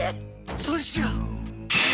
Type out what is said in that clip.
そうしよう。